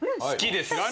好きです。